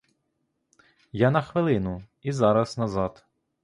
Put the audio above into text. Я на хвилину, і зараз назад.